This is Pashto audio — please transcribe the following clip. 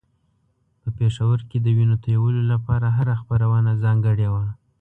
په پېښور کې د وينو تویولو لپاره هره خپرونه ځانګړې وه.